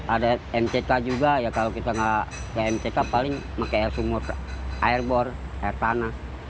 ada mck juga ya kalau kita nggak ke mck paling pakai air sumur air bor air tanah